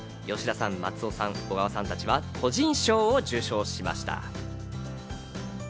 吉田さん、松尾さん、緒川さんたちは個人賞を受賞しました。